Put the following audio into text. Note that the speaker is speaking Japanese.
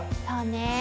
そうね。